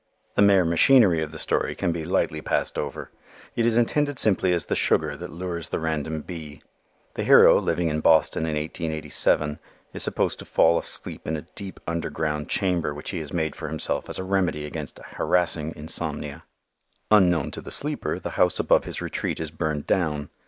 The mere machinery of the story can be lightly passed over. It is intended simply as the sugar that lures the random bee. The hero, living in Boston in 1887, is supposed to fall asleep in a deep, underground chamber which he has made for himself as a remedy against a harassing insomnia. Unknown to the sleeper the house above his retreat is burned down.